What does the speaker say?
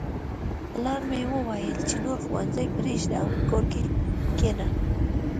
پلار مې وویل چې نور ښوونځی پریږده او په کور کښېنه